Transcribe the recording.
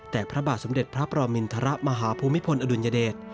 แต่พระบาทสมเด็จพระปรมินทรมาฮภูมิพลอดุลยเดช